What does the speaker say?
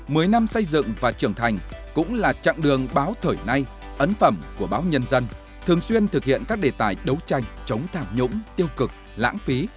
mười năm xây dựng và trưởng thành cũng là chặng đường báo thời nay ấn phẩm của báo nhân dân thường xuyên thực hiện các đề tài đấu tranh chống thảm nhũng tiêu cực lãng phí